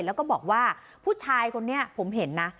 แล้วก็บอกว่าผู้ชายคนนี้ผมเห็นนะ